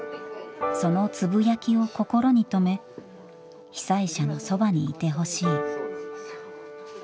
そのつぶやきを心に留め被災者のそばにいてほしい。